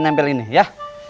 nempel ini ya